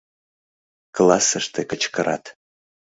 Классыште кычкырат: